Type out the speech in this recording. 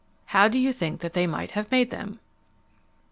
How do you think that they might have made them?